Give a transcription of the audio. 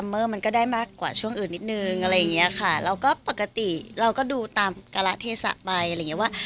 มันก็ได้มากกว่าช่วงอื่นนิดนึงอะไรอย่างเงี้ยค่ะเราก็ปกติเราก็ดูตามการะเทศะไปอะไรอย่างเงี้ว่า